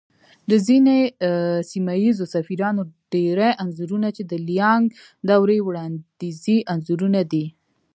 د ځينې سيمه ييزو سفيرانو ډېری انځورنه چې د ليانگ دورې وړانديزي انځورونه دي